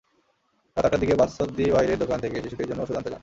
রাত আটটার দিকে বাছদ্দি বাইরের দোকান থেকে শিশুটির জন্য ওষুধ আনতে যান।